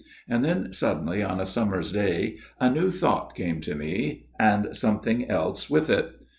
And then, suddenly, on a summer's day a new thought came to me, and something else with it.